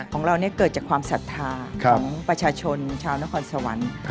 ของเราเกิดจากความศรัทธาของประชาชนชาวนครสวรรค์